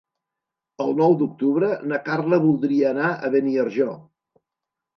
El nou d'octubre na Carla voldria anar a Beniarjó.